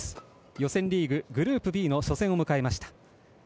予選リーグ、グループＢの初戦を迎えました。